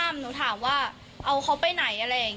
อันนี้หนูไม่ทราบค่ะเพราะว่าหนูไม่เห็น